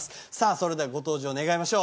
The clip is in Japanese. それではご登場願いましょう。